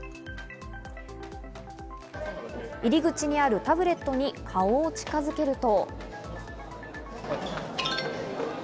入り口にあるタブレットに顔を近づけると。